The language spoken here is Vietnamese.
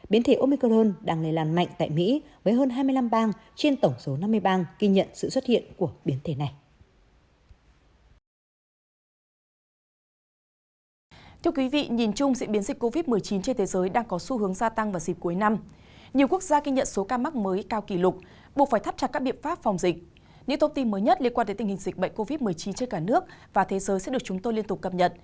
biến thể omicron đang lây lan mạnh tại mỹ với hơn hai mươi năm bang trên tổng số năm mươi bang ghi nhận sự xuất hiện của biến thể này